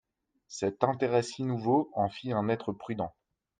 Cet intérêt si nouveau en fit un être prudent.